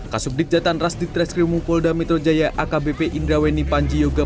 kasub dikejatan rastit reskrimu polda metro jaya akbp indraweni panji yuga